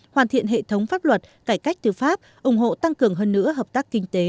hoàn thiện hệ thống pháp luật cải cách tư pháp ủng hộ tăng cường hơn nữa hợp tác kinh tế